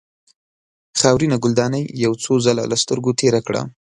خاورینه ګلدانۍ یې څو ځله له سترګو تېره کړه.